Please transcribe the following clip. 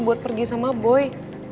buat pergi sama boy